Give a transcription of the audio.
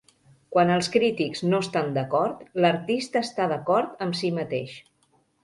Quan els crítics no estan d'acord, l'artista està d'acord amb si mateix.